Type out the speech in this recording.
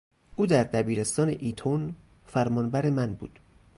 او در دبیرستان ایتون فرمانبر من بود.